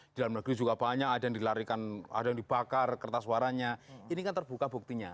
di dalam negeri juga banyak ada yang dilarikan ada yang dibakar kertas suaranya ini kan terbuka buktinya